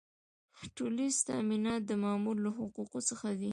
ټولیز تامینات د مامور له حقوقو څخه دي.